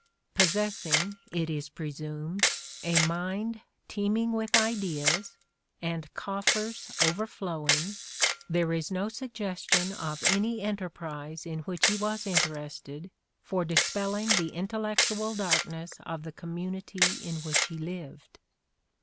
Possessing, it is presumed, a mind teeming with ideas, and coffers overflowing, there is no suggestion of any enterprise in which he was interested for dispelling the intellectual darkness of the community in which he lived.